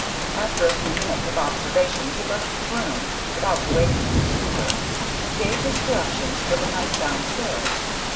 After a few minutes of observation he left the room, without awakening the sleeper, and gave his directions for the night down stairs.